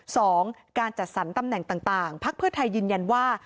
สองการจัดสรรตำแหน่งต่างต่างพักเพื่อไทยยืนยันว่า